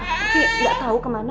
kiki gak tau kemana